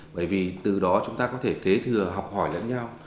bởi vì từ đó chúng ta có thể kế thừa học hỏi lẫn nhau